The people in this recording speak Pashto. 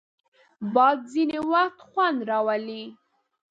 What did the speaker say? باد ځینې وخت خوند راولي